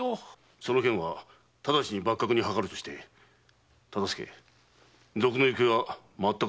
その件はただちに幕閣に諮るとして忠相賊の行方はまったく掴めぬのか。